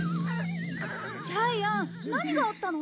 ジャイアン何があったの？